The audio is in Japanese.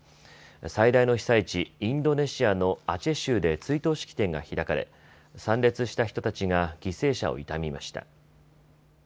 最大の被災地、インドネシアのアチェ州で追悼式典が開かれ参列した人たちが犠牲者を悼みました。